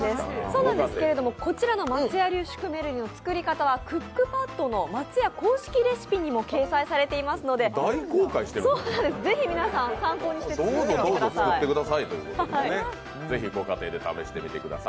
そうなんですけれども、こちらの松屋流シュクメルリの作り方はクックパッドの松屋公式レシピにも公開されていますのでぜひ皆さん、参考にして作ってみてください。